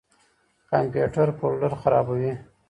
کمپيوټر فولډر خراپوي.